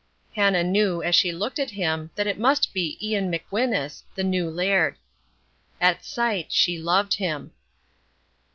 Hannah knew as she looked at him that it must be Ian McWhinus, the new laird. At sight she loved him.